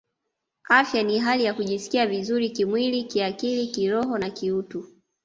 Afya ni hali ya kujisikia vizuri kimwili kiakili kiroho na kiutu